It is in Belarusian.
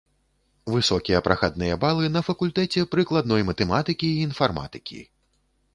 Высокія прахадныя балы на факультэце прыкладной матэматыкі і інфарматыкі.